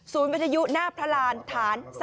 ศูนย์วิทยาลัยนาภรรานฐาน๓๓